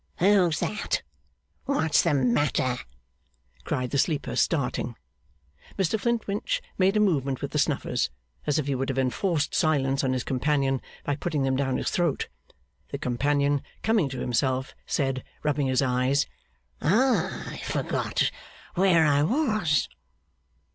'Who's that? What's the matter?' cried the sleeper, starting. Mr Flintwinch made a movement with the snuffers, as if he would have enforced silence on his companion by putting them down his throat; the companion, coming to himself, said, rubbing his eyes, 'I forgot where I was.